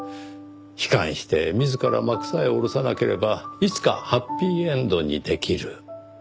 悲観して自ら幕さえ下ろさなければいつかハッピーエンドにできる。